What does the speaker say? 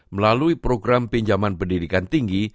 melalui program pinjaman pendidikan tinggi